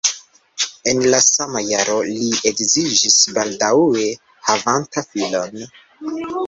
En la sama jaro li edziĝis baldaŭe havanta filon.